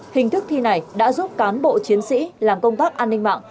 hình thức thi này đã giúp cán bộ chiến sĩ làm công tác an ninh mạng